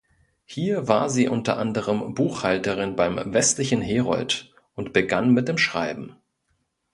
Hier war sie unter anderem Buchhalterin beim "Westlichen Herold" und begann mit dem Schreiben.